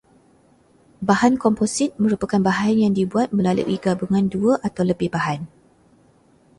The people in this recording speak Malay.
Bahan komposit merupakan bahan yang dibuat melalui gabungan dua atau lebih bahan